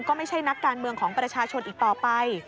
ก็ไม่ใช่นักการเมืองของประชาชนอีกต่อไป